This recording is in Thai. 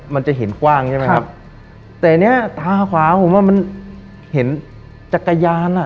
มันจะเห็นกว้างใช่ไหมครับแต่เนี้ยตาขวาผมว่ามันเห็นจักรยานอ่ะ